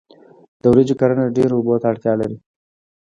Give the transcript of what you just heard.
د وریجو کرنه ډیرو اوبو ته اړتیا لري.